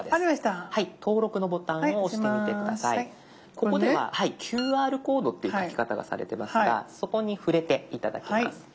ここでは「ＱＲコード」っていう書き方がされてますがそこに触れて頂きます。